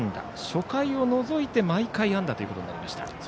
初回を除いて毎回安打となりました。